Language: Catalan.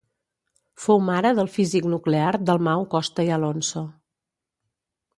Fou mare del físic nuclear Dalmau Costa i Alonso.